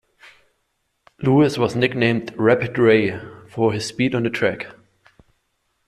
Lewis was nicknamed "Rapid Ray" for his speed on the track.